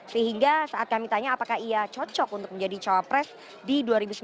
sehingga saat kami tanya apakah ia cocok untuk menjadi cawapres di dua ribu sembilan belas